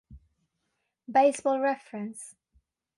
Baseball Reference